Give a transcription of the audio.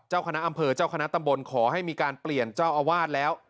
เจ้าคณะอำเภอเจ้าคณะตำบลขอให้มีการเปลี่ยนเจ้าอาวาสแล้ว